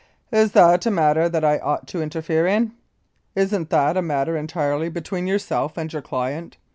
Is that a matter that I ought to interfere in? Isn't that a matter entirely between your self and your client?